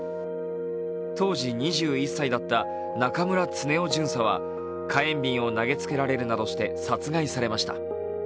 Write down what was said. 当時２１歳だった中村恒雄巡査は火炎瓶を投げつけられるなどして殺害されました。